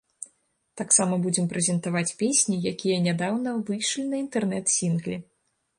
Таксама будзем прэзентаваць песні, якія нядаўна выйшлі на інтэрнэт-сінгле.